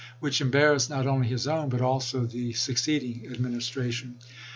which embarrassed not only his own, but also the succeeding Administration.